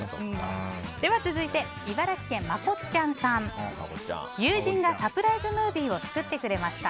では、続いて、茨城県の方。友人がサプライズムービーを作ってくれました。